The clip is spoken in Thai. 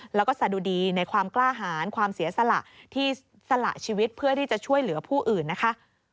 แล้วก็สะดุดีในความกล้าหารความเสียสละที่สละชีวิตเพื่อที่จะช่วยเหลือผู้อื่นนะคะ